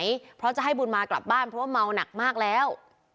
เพราะจะให้บุญมากลับบ้านเพราะว่าเมาหนักมากแล้ว